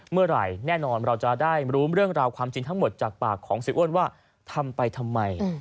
เมื่อไหร่แน่นอนเราจะได้รู้เรื่องราวความจริงทั้งหมดจากปากของเสียอ้วนว่าทำไปทำไม